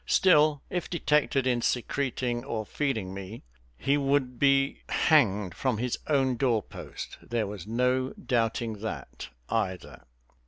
Still, if detected in secreting or feeding me, he would be hanged from his own door post. There was no doubting that, either.